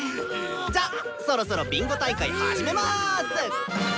じゃそろそろビンゴ大会始めます！